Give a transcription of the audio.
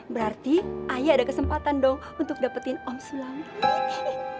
berarti ayah ada kesempatan dong untuk dapetin om sulawesi